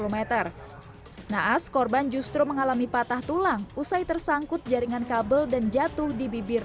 m naas korban justru mengalami patah tulang usai tersangkut jaringan kabel dan jatuh di bibir